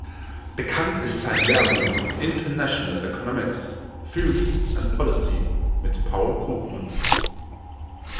Bekannt ist sein Lehrbuch "International Economics: Theory and Policy" mit Paul Krugman.